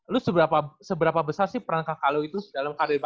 lo seberapa besar sih peran kakak lo itu dalam karir basket